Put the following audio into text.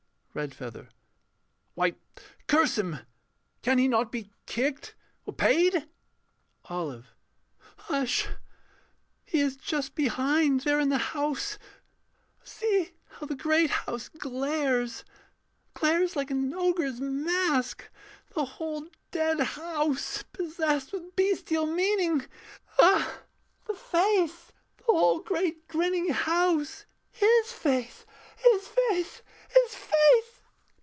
REDFEATHER. Why, curse him! can he not Be kicked or paid? OLIVE [feverishly]. Hush! He is just behind There in the house see how the great house glares, Glares like an ogre's mask the whole dead house Possessed with bestial meaning.... Ah! the face! The whole great grinning house his face! his face! His face!